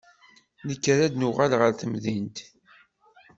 Nekker ad d-nuɣal ɣer temdint.